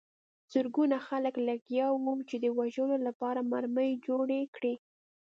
زرګونه خلک لګیا وو چې د وژلو لپاره مرمۍ جوړې کړي